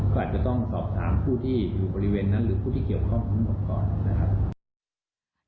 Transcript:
ก็อาจจะต้องสอบถามผู้ที่อยู่บริเวณนั้นหรือผู้ที่เกี่ยวข้องทั้งหมดก่อนนะครับ